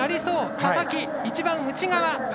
佐々木、一番内側。